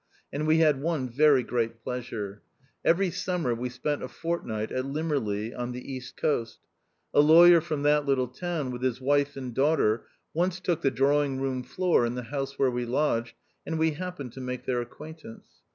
And we had one very great plea sure. Every summer we spent a fortnight at Limmerleigh, on the East Coast. A law yer from that little town, with his wife and daughter, once took the drawing room floor in the house where we lodged, and we hap pened to make their acquaintance.